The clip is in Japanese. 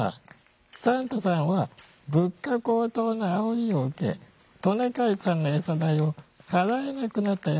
サンタさんは物価高騰のあおりを受けトナカイさんの餌代を払えなくなったよ。